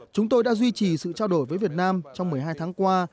chúng tôi đã duy trì sự trao đổi với việt nam trong một mươi hai tháng qua